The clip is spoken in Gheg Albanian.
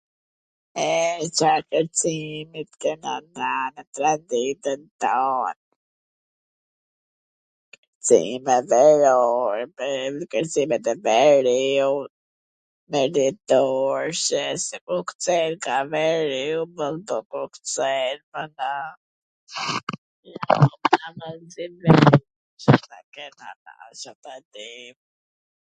E Ca kwrcimi kena na nw traditwn ton! Kwrcime veriu, kwrcimet e veriut, mirditorshe, si po kcejn ka veriu, po po, kcejn mana....